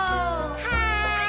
はい！